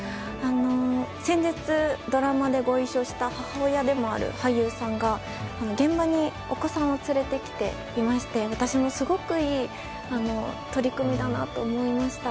先日、ドラマでご一緒した母親でもある俳優さんが現場にお子さんを連れてきていまして私もすごくいい取り組みだなと思いました。